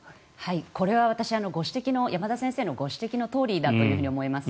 これは私山田先生のご指摘のとおりだと思います。